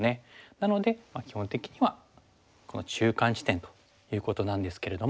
なので基本的にはこの中間地点ということなんですけれども。